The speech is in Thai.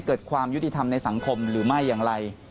เกิดความยุติธรรมในสังคมหรือไม่อย่างไร